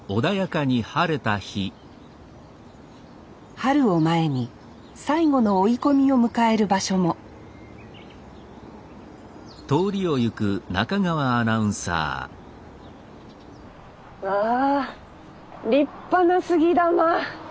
春を前に最後の追い込みを迎える場所もわあ立派な杉玉。